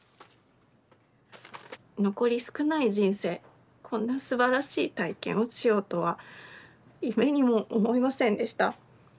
「残り少ない人生こんなすばらしい体験をしようとは夢にも思いませんでした。